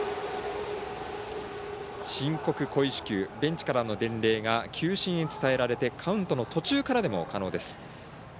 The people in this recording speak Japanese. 申告故意四球ベンチからの伝令が球審に伝えられてカウントの途中からでも可能です。